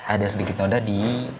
ada sedikit noda di